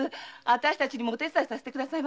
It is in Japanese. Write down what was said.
私たちもお手伝いさせてください。